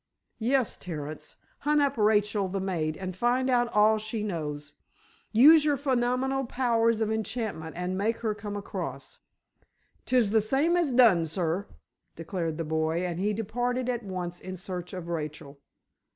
"Yes, Terence. Hunt up Rachel, the maid, and find out all she knows. Use your phenomenal powers of enchantment and make her come across." "'Tis the same as done, sir!" declared the boy, and he departed at once in search of Rachel.